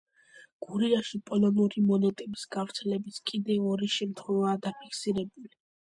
გურიაში პოლონური მონეტების გავრცელების კიდევ ორი შემთხვევაა დაფიქსირებული.